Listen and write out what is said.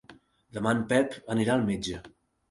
Demà en Pep anirà al metge.